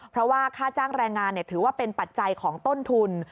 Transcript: เพราะว่าค่าจ้างแรงงานถือว่าเป็นปัจจัยของต้นทุน